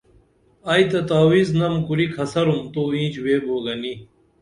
ائی تہ تاوِز نم کُری کھسرُم تو اینچ ویبو گنی